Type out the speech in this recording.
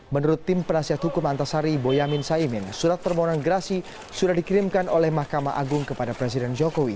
menurut tim penasihat hukum antasari boyamin saimin surat permohonan gerasi sudah dikirimkan oleh mahkamah agung kepada presiden jokowi